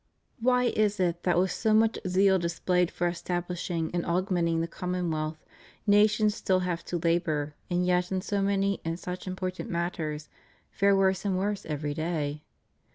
Why is it that with so much zeal displayed for estab lishing and augmenting the commonwealth, nations still have to labor and yet in so many and such important matters fare worse and worse every day?